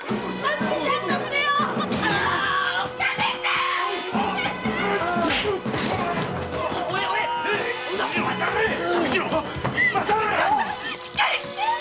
しっかりして！